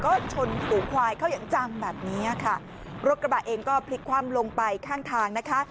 ก็ชนฝูงควายเขาอย่างจังแบบนี้ค่ะรถกระบะเองก็พลิกคว่ำลงไปข้างทางนะคะ